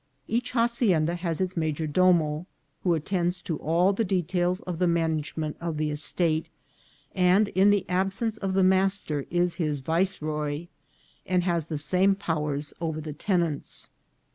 Each hacienda has its major domo, who attends to all the details of the managemenj of the estate, and in the absence of the master is his viceroy, and has the same powers over the tenants.